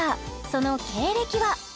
その経歴は？